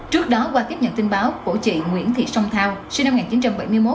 trước đó qua tiếp nhận tin báo của chị nguyễn thị sông thao sinh năm một nghìn chín trăm bảy mươi một